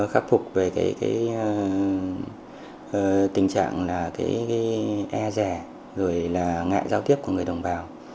khắc phục về cái tình trạng là cái e rè rồi là ngại giao tiếp của người đồng bào